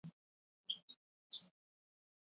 Batzuetan egunez ere entzun daiteke kantua.